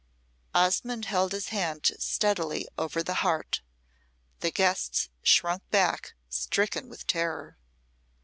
Osmonde held his hand steadily over the heart. The guests shrunk back, stricken with terror.